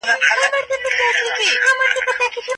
د مور روغتيا د کور فضا ښه کوي.